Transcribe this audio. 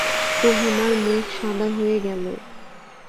রহিমার মুখ সাদা হয়ে গেল!